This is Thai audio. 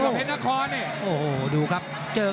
ผู้และเพชรน้าคอนเนี่ย